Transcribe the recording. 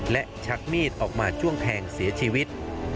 และชักมีดออกมาจ้วงแทงเสียชีวิต